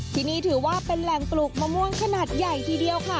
ที่นี่ถือว่าเป็นแหล่งปลูกมะม่วงขนาดใหญ่ทีเดียวค่ะ